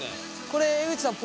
これ江口さん